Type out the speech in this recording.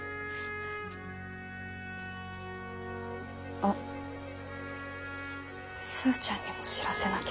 あっスーちゃんにも知らせなきゃ。